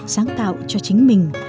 sáng tạo cho chính mình